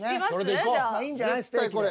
絶対これ。